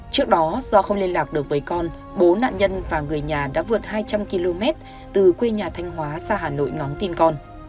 trước đó do không liên lạc được với con bốn nạn nhân và người nhà đã vượt hai trăm linh km từ quê nhà thanh hóa ra hà nội ngắm tin con